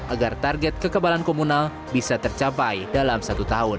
agar target kekebalan komunal bisa tercapai dalam satu tahun